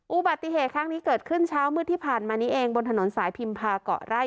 อุบัติเหตุครั้งนี้เกิดขึ้นเช้ามืดที่ผ่านมานี้เองบนถนนสายพิมพาเกาะไร่